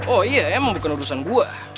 oh iya emang bukan urusan gua